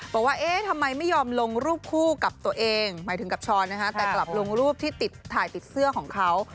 บอกว่าเอ๊ะทำไมไม่ยอมลงรูปคู่กับตัวเองหมายถึงกับช้อนนะคะแต่กลับลงรูปที่ติดถ่ายติดเสื้อของเขา